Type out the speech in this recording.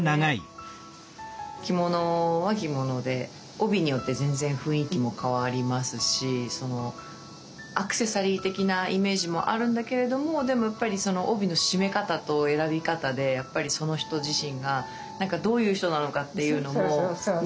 着物は着物で帯によって全然雰囲気も変わりますしアクセサリー的なイメージもあるんだけれどもでもやっぱり帯の締め方と選び方でその人自身がなんかどういう人なのかっていうのも見えてくるんですよね。